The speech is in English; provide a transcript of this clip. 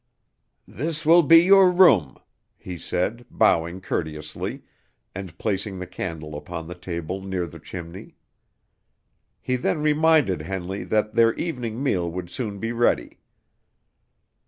"This will be your room," he said, bowing courteously, and placing the candle upon the table near the chimney. He then reminded Henley that their evening meal would soon be ready.